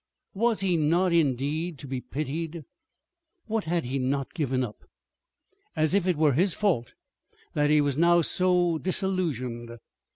Was he not, indeed, to be pitied? What had he not given up? As if it were his fault that he was now so disillusioned!